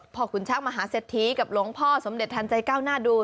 พอคุณช่างมหาเศรษฐีกับหลวงพ่อสมเด็จทันใจก้าวหน้าดู